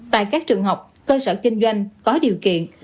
tại các trường học cơ sở kinh doanh có điều kiện